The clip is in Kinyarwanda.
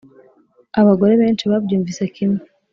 abagore benshi babyumvise kimwe,